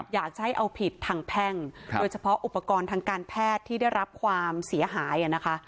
อยากจะให้เอาผิดทางแพ่งโดยเฉพาะอุปกรณ์ทางการแพทย์ที่ได้รับความเสียหายนะคะ